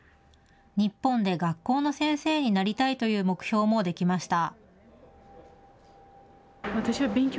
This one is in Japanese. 日本で学校の先生になりたいという目標もできました。